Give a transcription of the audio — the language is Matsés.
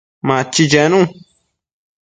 Machi chenu